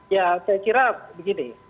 ya saya kira begini